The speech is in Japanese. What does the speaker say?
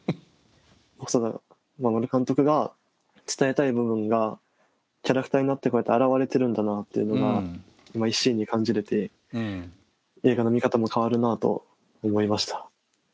細田守監督が伝えたい部分がキャラクターになってこうやって現れてるんだなっていうのが一心に感じれて映画の見方も変わるなと思いました。